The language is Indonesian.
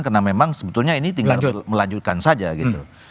karena memang sebetulnya ini tinggal melanjutkan saja gitu